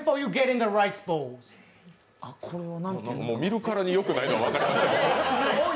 見るからによくないのは分かります。